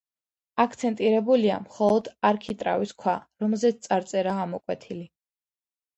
აქცენტირებულია მხოლოდ არქიტრავის ქვა, რომელზეც წარწერაა ამოკვეთილი.